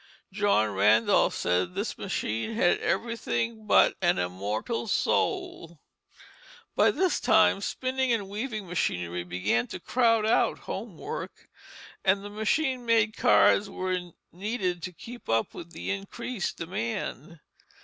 John Randolph said this machine had everything but an immortal soul. By this time spinning and weaving machinery began to crowd out home work, and the machine made cards were needed to keep up with the increased demand.